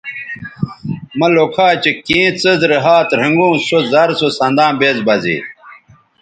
مہ لوکھا چہء کیں څیز رے ھات رھنگوں سو زر سو سنداں بیز بہ زے